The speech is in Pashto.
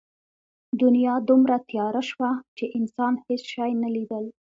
دنیا دومره تیاره شوه چې انسان هېڅ شی نه لیدل.